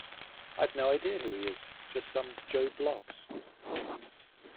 I've no idea who he is: just some Joe Bloggs